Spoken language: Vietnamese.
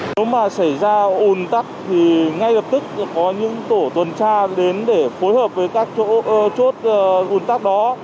nếu mà xảy ra ồn tắc thì ngay lập tức có những tổ tuần tra đến để phối hợp với các chỗ chốt un tắc đó